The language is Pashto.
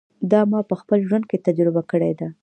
دا ما په خپل ژوند کې تجربه کړې ده.